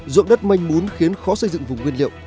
dụng đất manh mún khiến khó xây dựng vùng nguyên liệu